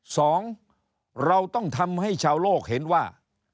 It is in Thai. สองเราต้องทำให้ชาวโลกเห็นว่า